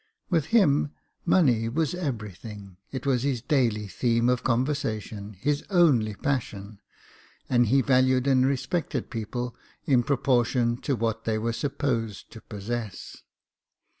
With him, money was everything ; it was his daily theme of conversation, his only passion ; and he valued and respected people in proportion to what they were supposed to possess.